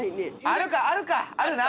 あるかあるかあるな。